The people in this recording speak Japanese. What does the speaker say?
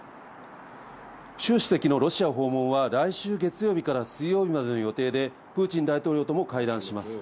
習主席のロシア訪問は、来週月曜日から水曜日までの予定で、プーチン大統領とも会談します。